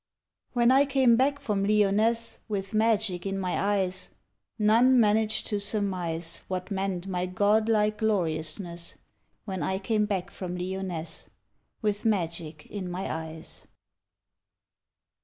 When I came back from Lyonnesse With magic in my eyes, None managed to surmise What meant my godlike gloriousness, When I came back from Lyonnesse With magic in my eyes.